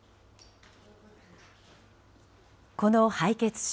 この敗血症。